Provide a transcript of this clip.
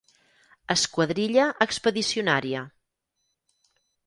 Esquadrilla Expedicionària.